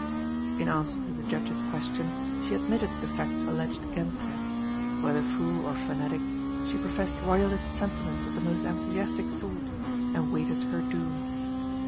In answer to the Judge's question she admitted the facts alleged against her; whether fool or fanatic, she professed Royalist sentiments of the most enthusiastic sort and waited her doom.